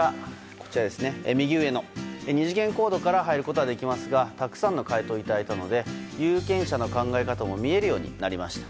右上の２次元コードから入ることができますがたくさんの回答をいただいたので有権者の考え方も見えるようになりました。